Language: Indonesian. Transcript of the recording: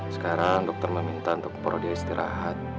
sekarang dokter meminta untuk porodia istirahat